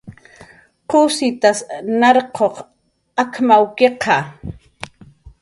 "¿Qusitas narquq ak""mawkiqa?"